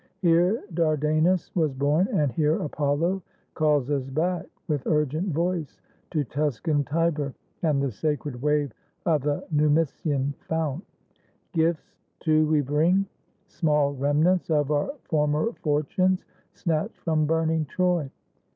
Here Dardanus was bom, and here Apollo calls us back with urgent voice To Tuscan Tiber and the sacred wave Of the Numician fount. Gifts too we bring, Small remnants of our former fortunes, snatched From burning Troy.